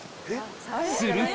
すると